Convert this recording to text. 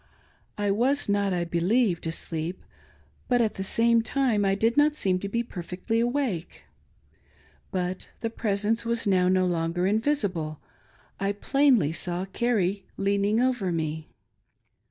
I was not, I believed, asleep, but at the, same time I did not seem to be perfectly awake. But the " Presence " was now no longer invisible — I plainly saw Carrie leaning over me.